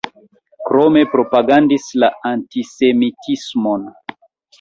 Krome propagandis la antisemitismon.